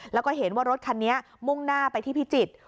แล้วก็เห็นว่ารถคันนี้มุ่งหน้าไปที่พิจิตร